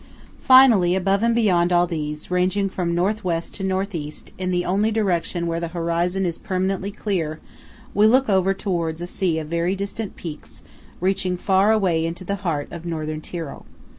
Finally, above and beyond all these, ranging from North West to North East, in the only direction where the horizon is permanently clear, we look over towards a sea of very distant peaks reaching far away into the heart of Northern Tyrol.